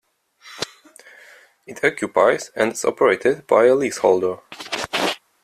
It occupies and is operated by a leaseholder.